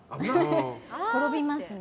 転びますね。